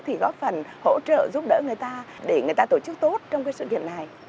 thì góp phần hỗ trợ giúp đỡ người ta để người ta tổ chức tốt trong cái sự kiện này